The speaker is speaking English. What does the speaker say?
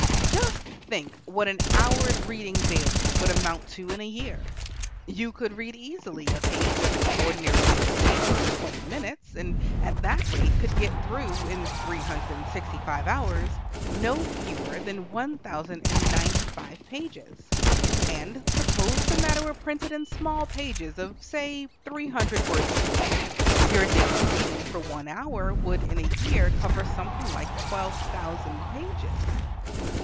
Just think what an hour's reading daily would amount to in a year. You can read easily a page of an ordinary youth's paper in twenty minutes, and at that rate could get through, in three hundred and sixty five hours, no fewer than one thousand and ninety five pages. And suppose the matter were printed in small pages, of, say, three hundred words apiece, your daily reading for one hour would in a year cover something like twelve thousand pages.